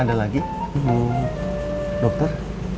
ada lagi bu dokter